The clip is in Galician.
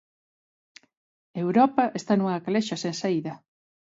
Europa está nunha calexa sen saída.